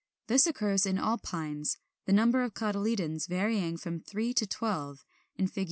This occurs in all Pines, the number of cotyledons varying from three to twelve; in Fig.